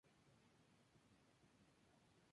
Está situada en la circunvalación ferroviaria de Sevilla.